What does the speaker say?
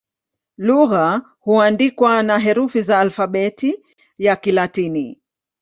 Lugha huandikwa na herufi za Alfabeti ya Kilatini.